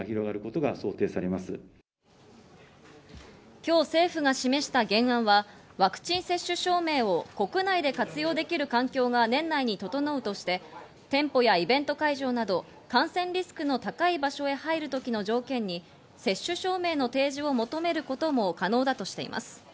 今日、政府が示した原案はワクチン接種証明を国内で活用できる環境が年内に整うとして、店舗やイベント会場など感染リスクの高い場所へ入るときの条件に接種証明の提示を求めることも可能だとしています。